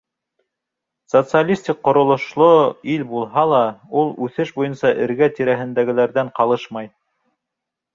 Социалистик ҡоролошло ил булһа ла, ул үҫеш буйынса эргә-тирәһендәгеләрҙән ҡалышмай.